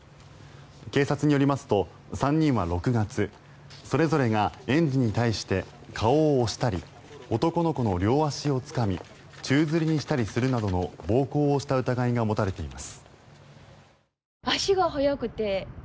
警察によりますと３人は６月それぞれが園児に対して顔を押したり男の子の両足をつかみ宙づりにしたりするなどの暴行をした疑いが持たれています。